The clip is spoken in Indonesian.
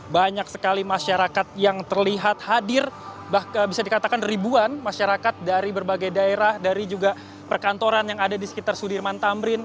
banyak sekali masyarakat yang terlihat hadir bisa dikatakan ribuan masyarakat dari berbagai daerah dari juga perkantoran yang ada di sekitar sudirman tamrin